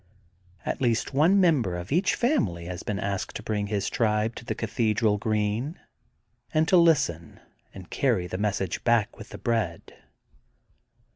At least one member of each family has been asked to bring his tribe to the Cathedral green and to listen and carry the message back with the bread.